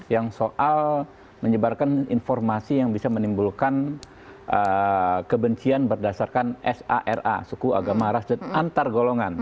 yang soal menyebarkan informasi yang bisa menimbulkan kebencian berdasarkan sara suku agama ras dan antar golongan